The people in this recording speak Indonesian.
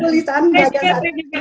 tulisan bagian dari